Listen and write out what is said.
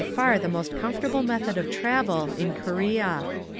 Austin far the most comfortable method of travel in Korea.